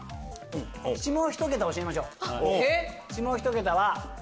下１桁教えましょう。